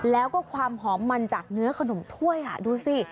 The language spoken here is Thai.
แล้วก็ความหอมมันจากเนื้อขนมถ้วยดูสิ